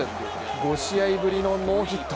５試合ぶりのノーヒット。